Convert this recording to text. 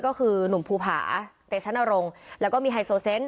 ก็คือหนุ่มภูผาเตชนรงค์แล้วก็มีไฮโซเซนต์